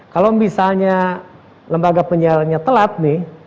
kalau misalnya lembaga penyiarannya telat nih